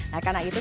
nah karena itu